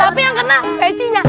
tapi yang kena becinya